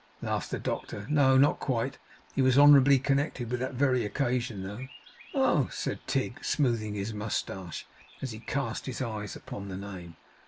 laughed the doctor. 'No; not quite. He was honourably connected with that very occasion though.' 'Oh!' said Tigg, smoothing his moustache, as he cast his eyes upon the name.